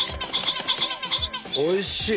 おいしい！